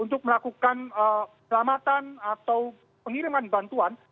untuk melakukan selamatan atau pengiriman bantuan